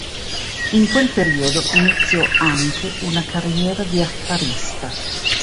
In quel periodo iniziò anche una carriera di affarista.